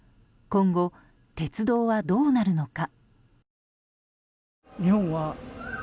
今後、鉄道はどうなるのか。